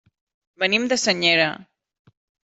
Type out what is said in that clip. Venim de Senyera.